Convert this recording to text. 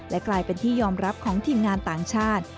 และกลายเป็นที่ยอมรับของทีมงานต่างชาติ